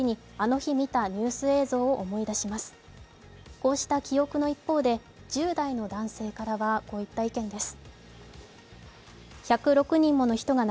こうした記憶の一方で１０代の男性からはこういった意見です。